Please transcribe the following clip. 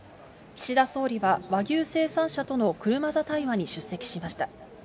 岸田総理は、和牛生産者との車座対話に出席しました。